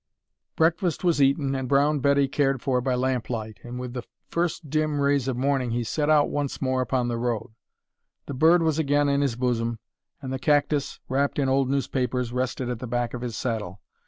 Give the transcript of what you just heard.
Breakfast was eaten and Brown Betty cared for by lamplight and with the first dim rays of morning he set out once more upon the road. The bird was again in his bosom, and the cactus, wrapped in old newspapers, rested at the back of his saddle.